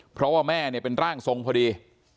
เพราะว่าแม่เนี่ยเป็นร่างทรงพอดี